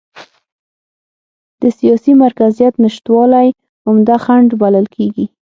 د سیاسي مرکزیت نشتوالی عمده خنډ بلل کېږي.